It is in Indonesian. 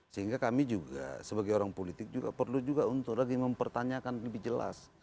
sehingga kami juga sebagai orang politik juga perlu juga untuk lagi mempertanyakan lebih jelas